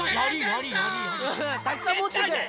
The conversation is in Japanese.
たくさんもってくる！